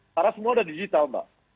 karena semua udah digital mbak